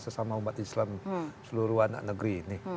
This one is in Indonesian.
sesama umat islam seluruh anak negeri ini